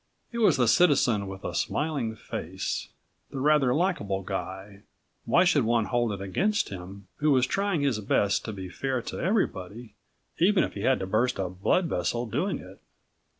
He was the citizen with a smiling face, the rather likeable guy why should one hold it against him? who was trying his best to be fair to everybody, even if he had to burst a blood vessel doing it.